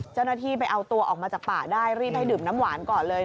เจ้าหน้าที่ไปเอาตัวออกมาจากป่าได้รีบให้ดื่มน้ำหวานก่อนเลย